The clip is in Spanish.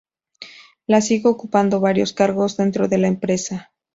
La sigue ocupando varios cargos dentro de la empresa.